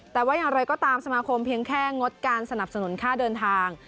แต่ว่าอย่างไรก็ตามสมาคมเพียงแค่งดการสนับสนุนค่าเดินทาง